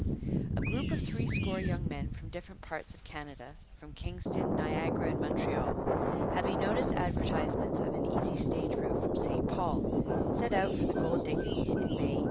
A group of threescore young men from different parts of Canada, from Kingston, Niagara, and Montreal, having noticed advertisements of an easy stage route from St Paul, set out for the gold diggings in May 1862.